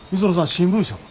新聞社は？